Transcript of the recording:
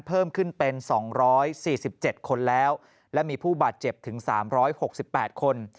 เพิ่มขึ้นเป็น๒๔๗คนแล้วและมีผู้บาดเจ็บถึง๓๖๘คน